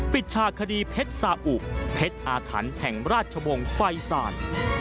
ปิดชาคดีเพชรสาอุเพชรอาถรรพ์แห่งราชวงศ์ไฟศาล